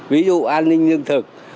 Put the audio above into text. ví dụ an ninh dân thực